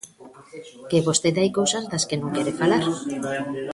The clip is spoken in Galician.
Que vostede hai cousas das que non quere falar.